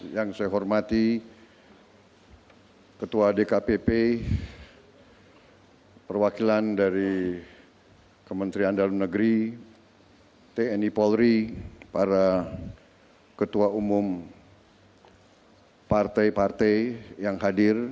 yang saya hormati ketua dkpp perwakilan dari kementerian dalam negeri tni polri para ketua umum partai partai yang hadir